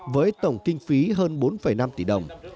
với tổng kinh phí hơn bốn năm tỷ đồng